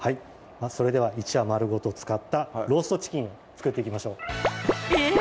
それでは一羽丸ごと使った「ローストチキン」を作っていきましょうえっ？